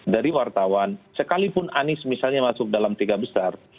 dari wartawan sekalipun anies misalnya masuk dalam tiga besar